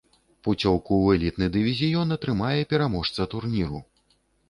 Пуцёўку ў элітны дывізіён атрымае пераможца турніру.